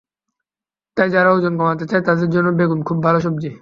তাই যারা ওজন কমাতে চায়, তাদের জন্যও বেগুন খুব ভালো সবজি।